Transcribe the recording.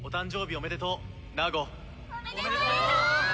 「おめでとう！